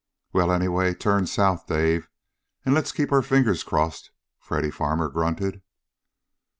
"Well, anyway, turn south, Dave, and let's keep our fingers crossed," Freddy Farmer grunted.